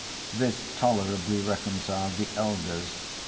This tolerably reconciled the elders.